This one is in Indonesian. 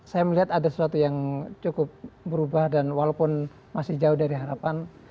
saya melihat ada sesuatu yang cukup berubah dan walaupun masih jauh dari harapan